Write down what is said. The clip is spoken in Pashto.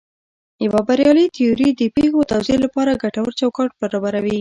یوه بریالۍ تیوري د پېښو توضیح لپاره ګټور چوکاټ برابروي.